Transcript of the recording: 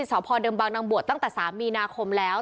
สพเดิมบางนางบวชตั้งแต่๓มีนาคมแล้ว